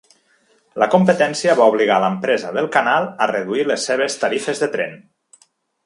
La competència va obligar l'empresa del canal a reduir les seves tarifes de tren.